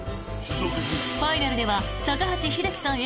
ファイナルでは高橋英樹さん